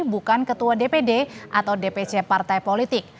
bukan ketua dpd atau dpc partai politik